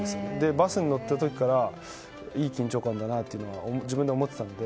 バスに乗った時からいい緊張感だなっていうのは自分で思っていたので。